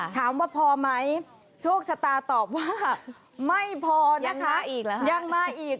ถามว่าพอไหมโชคชะตาตอบว่าไม่พอนะคะยังมาอีก